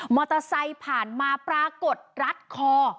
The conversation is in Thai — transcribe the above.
มอเตอร์ไซค์ผ่านมาปรากฏรัดคอ